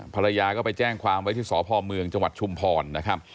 ภรรยาก็ไปแจ้งความไว้ที่สพเมืองจังหวัดชุมพรนะครับ